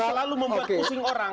selalu membuat pusing orang